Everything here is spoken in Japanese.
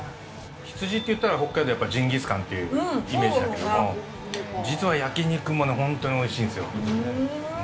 羊といったら北海道はやっぱりジンギスカンというイメージだけど実は焼き肉もほんとにおいしいんですよ。